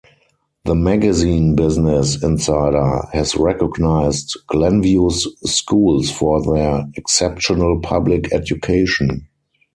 The magazine Business Insider has recognized Glenview's schools for their exceptional public education.